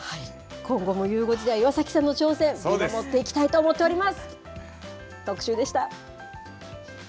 今後もゆう５時では岩崎さんの挑戦、見守っていきたいと思っております。